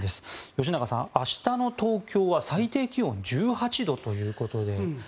吉永さん、明日の東京は最低気温１８度ということで。